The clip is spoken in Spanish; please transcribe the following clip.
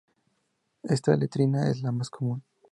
Esta letrina es la más común.